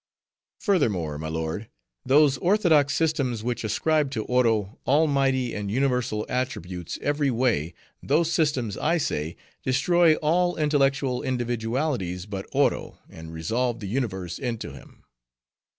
Furthermore, my lord those orthodox systems which ascribe to Oro almighty and universal attributes every way, those systems, I say, destroy all intellectual individualities but Oro, and resolve the universe into him.